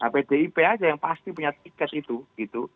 pdip aja yang pasti punya tiket itu gitu